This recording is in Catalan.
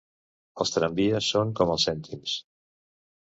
Els tramvies són com els cèntims.